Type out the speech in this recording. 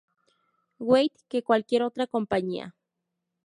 Wade que cualquier otra compañía.